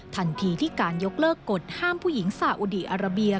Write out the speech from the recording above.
ทันทีที่การยกเลิกกฎห้ามผู้หญิงสาอุดีอาราเบีย